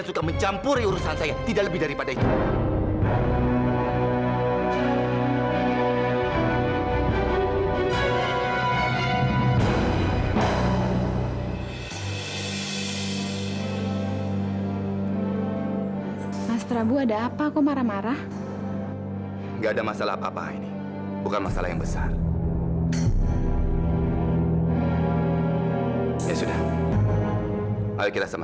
sampai jumpa di video selanjutnya